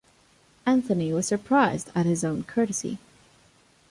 Anthony was surprised at his own courtesy.